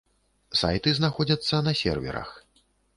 Сайты знаходзяцца на серверах.